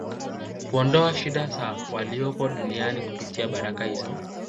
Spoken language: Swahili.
kuondoa shida za waliopo duniani kupitia baraka hizo